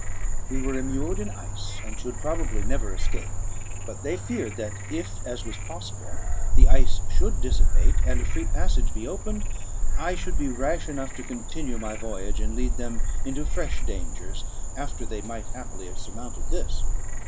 We were immured in ice, and should probably never escape; but they feared that if, as was possible, the ice should dissipate, and a free passage be opened, I should be rash enough to continue my voyage, and lead them into fresh dangers, after they might happily have surmounted this.